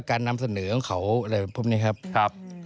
การนำเสนอของเขาอะไรพวกนี้ครับ